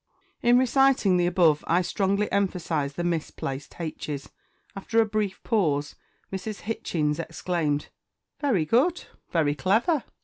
In re citing the above I strongly emphasized the misplaced h's. After a brief pause, Mrs. Hitchings exclaimed, "Very good; very clever."